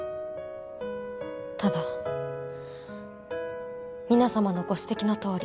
ただ皆さまのご指摘のとおり